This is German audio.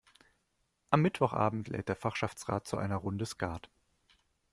Am Mittwochabend lädt der Fachschaftsrat zu einer Runde Skat.